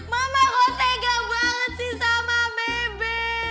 mama kok tega banget sih sama bebe